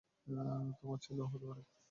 তোমার ছেলেও হতে পারে।